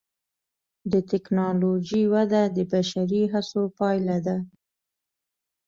د ټکنالوجۍ وده د بشري هڅو پایله ده.